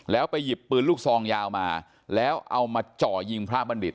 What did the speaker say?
แล้วไปหยิบปืนลูกซองยาวมาแล้วเอามาเจาะยิงพระบัณฑิต